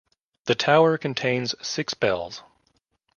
The tower contains six bells.